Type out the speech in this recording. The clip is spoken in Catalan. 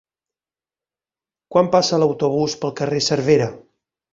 Quan passa l'autobús pel carrer Cervera?